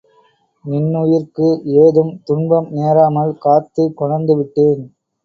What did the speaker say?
நின்னுயிர்க்கு ஏதும் துன்பம் நேராமல் காத்துக் கொணர்ந்து விட்டேன்.